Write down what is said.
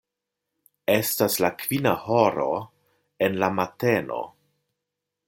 Estas la kvina horo en la mateno.